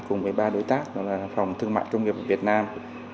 cùng với ba đối tác đó là phòng thương mại công nghiệp việt nam